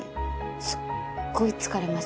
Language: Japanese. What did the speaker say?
すっごい疲れます